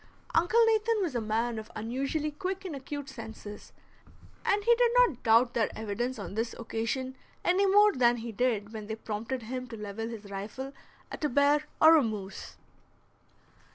Uncle Nathan was a man of unusually quick and acute senses, and he did not doubt their evidence on this occasion any more than he did when they prompted him to level his rifle at a bear or a moose.